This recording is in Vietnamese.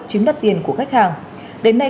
chiếm đặt tiền của khách hàng đến nay